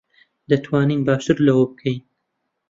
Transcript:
دەتوانین باشتر لەوە بکەین.